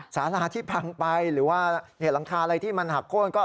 สาราที่พังไปหรือว่าหลังคาอะไรที่มันหักโค้นก็